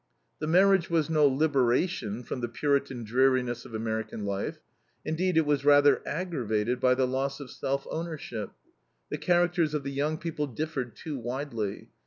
The marriage was no liberation from the Puritan dreariness of American life; indeed, it was rather aggravated by the loss of self ownership. The characters of the young people differed too widely.